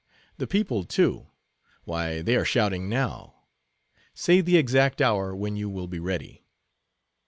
The people, too,—why, they are shouting now. Say the exact hour when you will be ready."